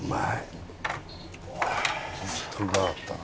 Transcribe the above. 「ホントうまかったな」